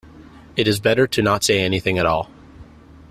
It is better to not say anything at all.